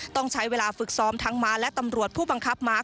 ต้องใช้เวลาฝึกซ้อมทั้งม้าและตำรวจผู้บังคับม้า